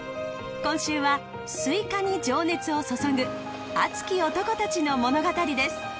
今週はスイカに情熱を注ぐ熱き男たちの物語です。